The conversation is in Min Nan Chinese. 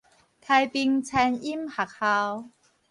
開平餐飲學校